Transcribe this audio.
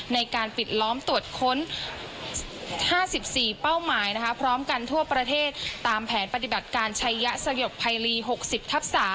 ในการปิดล้อมตรวจค้น๕๔เป้าหมายพร้อมกันทั่วประเทศตามแผนปฏิบัติการชัยยะสยบภัยลี๖๐ทับ๓